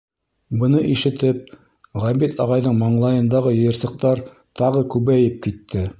Быны ишетеп, Ғәбит ағайҙың маңлайындағы йыйырсыҡтар тағы күбәйеп китте.